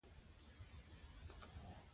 ډېر لږ د پښتو لیکدود چلیدل .